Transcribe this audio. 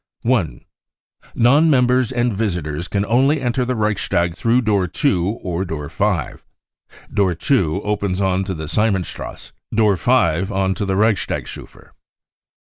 1. Non members and visitors can only enter the Reichstag through door 2 or door 5. Door 2 opens on to the Simson strasse, door 5 on to the Reichstagsufer.